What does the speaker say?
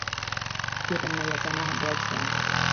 觉得没有赚到很多钱